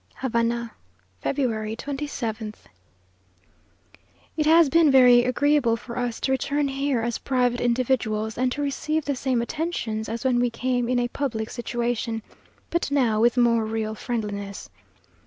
HAVANA, February 27th. It has been very agreeable for us to return here as private individuals, and to receive the same attentions as when we came in a public situation, but now with more real friendliness.